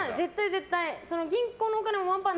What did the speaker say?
絶対！